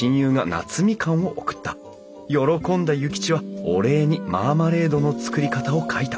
喜んだ諭吉はお礼にマーマレードの作り方を書いた。